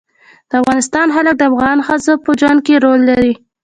د افغانستان جلکو د افغان ښځو په ژوند کې رول لري.